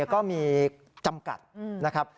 ก็มีจำกัดนะครับ